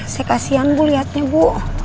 saya kasihan bu lihatnya bu